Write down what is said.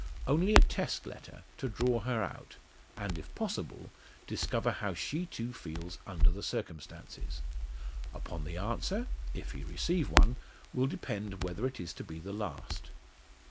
Only a test letter to draw her out, and if possible, discover how she too feels under the circumstances. Upon the answer if he receive one will depend whether it is to be the last.